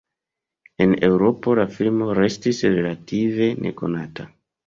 En Eŭropo, la filmo restis relative nekonata.